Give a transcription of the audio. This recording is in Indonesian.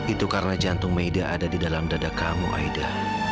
itu karena jantung maida ada di dalam dada kamu aida